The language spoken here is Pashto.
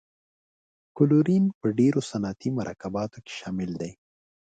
کلورین په ډیرو صنعتي مرکباتو کې شامل دی.